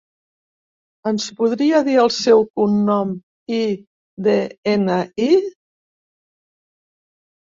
Ens podria dir el seu cognom i de ena i?